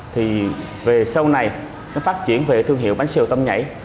thì về sau này nó phát triển về thương hiệu bánh xèo tôm nhảy